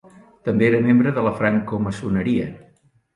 També era membre de la francmaçoneria.